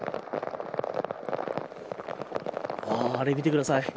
あれを見てください。